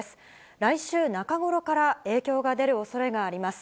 来週中頃から影響が出るおそれがあります。